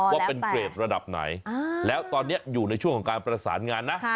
ว่าเป็นเกรดระดับไหนแล้วตอนนี้อยู่ในช่วงของการประสานงานนะ